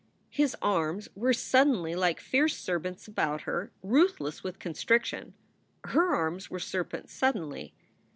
His arms were suddenly like fierce serpents about her, ruthless with constriction. Her arms were serpents suddenly.